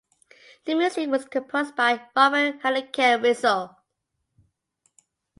The music was composed by Robert Hunecke-Rizzo.